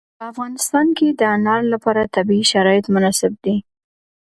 په افغانستان کې د انار لپاره طبیعي شرایط مناسب دي.